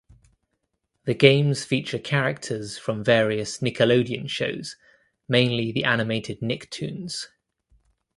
The games feature characters from various Nickelodeon shows (mainly the animated Nicktoons).